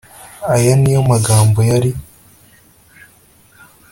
aya ni yo magambo yari